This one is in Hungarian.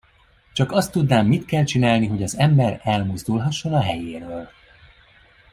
Csak azt tudnám, mit kell csinálni, hogy az ember elmozdulhasson a helyéről!